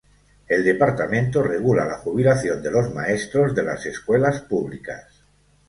El departamento regula la jubilación de los maestros de las escuelas públicas.